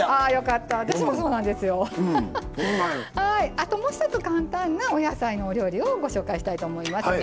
あともう一つ簡単なお野菜のお料理をご紹介したいと思いますね。